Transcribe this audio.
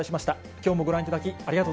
きょうもご覧いただき、ありがと